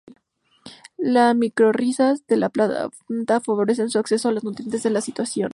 Las micorrizas de la planta favorecen su acceso a los nutrientes en esta situación.